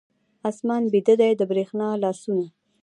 آسمان بیده دی، د بریښنا لاسونه